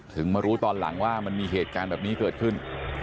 มารู้ตอนหลังว่ามันมีเหตุการณ์แบบนี้เกิดขึ้น